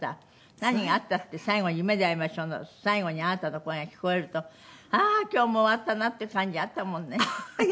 何があったって最後『夢であいましょう』の最後にあなたの声が聞こえるとああー今日も終わったなっていう感じあったもんね。